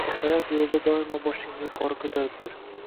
Hayot yo‘lida doimo boshingni yuqori ko‘tarib yur.